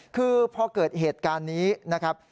คือพอเกิดเหตุการณ์นี้นะครับ